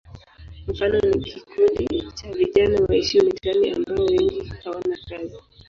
Mfano ni kikundi cha vijana waishio mitaani ambao wengi hawana kazi.